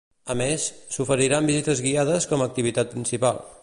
A més, s'oferiran visites guiades com a activitat principal.